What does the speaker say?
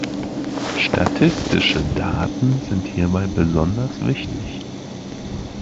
Statistische Daten sind hierbei besonders wichtig.